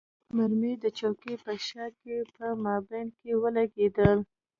مرمۍ د چوکۍ په شا کې په مابین کې ولګېده.